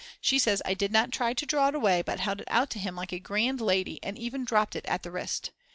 She says I did not try to draw it away, but held it out to him like a grand lady and even dropped it at the wrist.